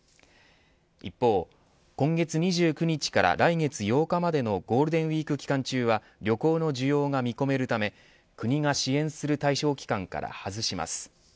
一方今月２９日から来月８日までのゴールデンウィーク期間中は旅行の需要が見込めるため国が支援する対象期間から外します。